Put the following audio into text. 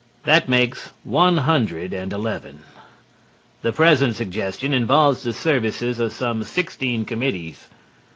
That makes one hundred and eleven. The present suggestion involves the services of some sixteen committees.